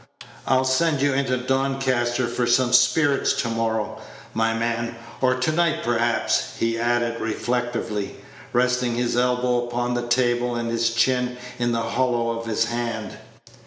I'll send you into Doncaster for some spirits to morrow, my man or to night, perhaps," he added, reflectively, resting his elbow upon the table and his chin in the hollow of his hand.